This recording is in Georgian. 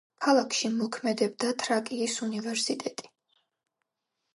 ქალაქში მოქმედება თრაკიის უნივერსიტეტი.